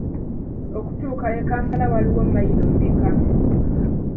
Okutuuka e Kampala waliwo mmayiro mmeka?